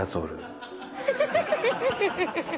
フフフフッ。